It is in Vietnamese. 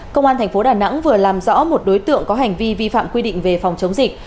công an tp đà nẵng vừa làm rõ một đối tượng có hành vi vi phạm quy định về phòng chống dịch